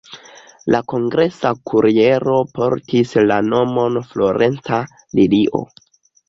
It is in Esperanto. La kongresa kuriero portis la nomon "Florenca Lilio".